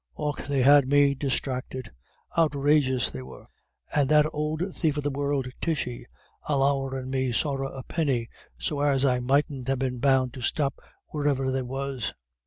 Och they had me disthracted; outrageous they were; and that ould thief of the world, Tishy, allowin' me sorra a penny, so as I mightn't ha' been bound to stop wheriver they was.